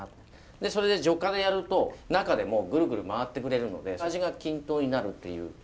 でそれでぢょかでやると中でぐるぐる回ってくれるので味が均等になるっていう。